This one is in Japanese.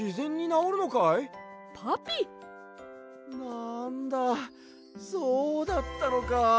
なんだそうだったのか。